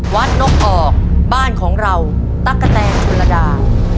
วัดนกออกบ้านของเราตะกะแตงบรรดา